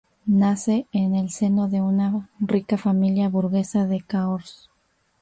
Nace en el seno de una rica familia burguesa de Cahors.